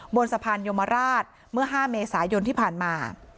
บนสะพานยมราชเมื่อ๕เมษายนที่ผ่านมา